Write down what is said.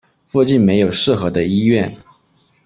附近没有适合的医院